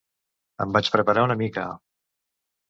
Em vaig preparar una mica.